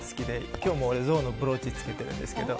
きょうもゾウのブローチつけてるんですけど。